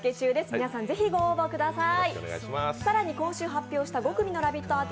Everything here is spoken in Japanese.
皆さん、ぜひご応募ください。